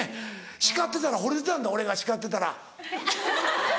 叱ってたらほれてたんだ俺が叱ってたら。